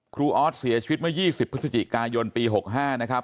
ออสเสียชีวิตเมื่อ๒๐พฤศจิกายนปี๖๕นะครับ